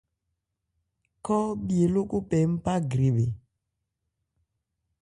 Khɔ bhye lókɔn pɛ npá grebhɛ.